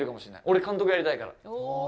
俺、監督やりたいから。